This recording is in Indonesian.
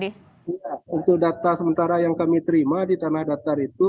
untuk data sementara yang kami terima di tanah datar itu